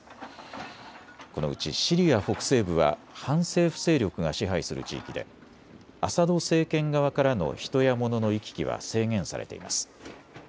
このうちシリア北西部は反政府勢力が支配する地域でアサド政権側からの人や物の行き来は制限されています。